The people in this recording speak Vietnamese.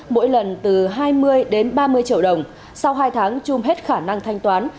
mỗi lần từ hai mươi đến ba mươi triệu đồng sau hai tháng chung hết khả năng thanh toán